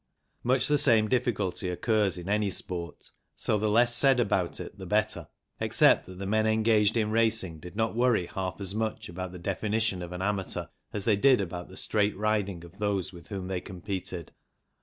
Much the same difficulty occurs in any sport, so the less said about it the better, except that the men engaged in racing did not worry half as much about the definition of an amateur as they did about the straight riding of those with whom they competed.